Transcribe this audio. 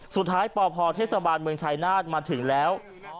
สุดท้ายปพเทศบาลเมืองชายนาฏมาถึงแล้ว